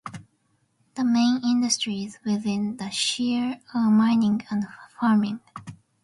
The main industries within the Shire are mining and farming.